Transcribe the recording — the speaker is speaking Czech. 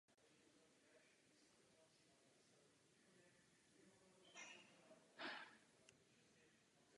Řadová číslovka „nultý“ správně nikdy neměla vzniknout.